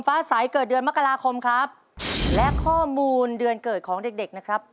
ฟ้าใสเกิดเดือนมกราคมครับและข้อมูลเดือนเกิดของเด็กเด็กนะครับ